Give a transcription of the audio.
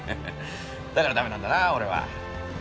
だから駄目なんだなあ俺は。